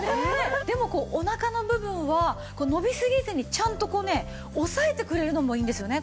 でもお腹の部分は伸びすぎずにちゃんとこうね押さえてくれるのもいいんですよね。